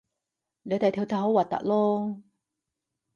你哋跳得好核突囉